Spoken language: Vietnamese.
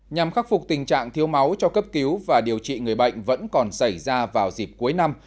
nhằm khắc phục tình trạng thiếu máu cho cấp cứu và điều trị người bệnh vẫn còn xảy ra vào dịp cuối năm